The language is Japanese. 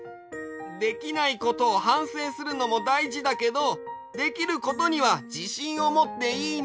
できないことをはんせいするのもだいじだけどできることにはじしんをもっていいんだよ！